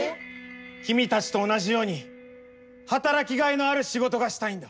君たちと同じように働きがいのある仕事がしたいんだ。